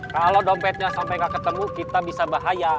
kalau dompetnya sampai gak ketemu kita bisa bahaya